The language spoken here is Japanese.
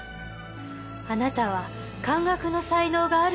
あなたは漢学の才能があるんですもの。